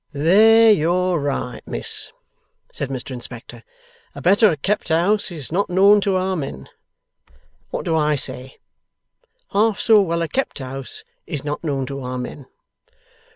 'There you're right, Miss,' said Mr Inspector. 'A better kept house is not known to our men. What do I say? Half so well a kept house is not known to our men.